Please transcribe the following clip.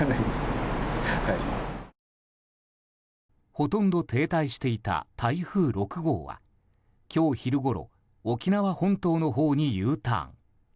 ほとんど停滞していた台風６号は今日昼ごろ沖縄本島のほうにＵターン。